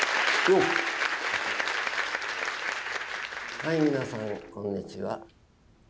はい皆さんこんにちは。